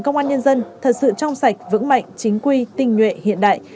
công an nhân dân thật sự trong sạch vững mạnh chính quy tinh nhuệ hiện đại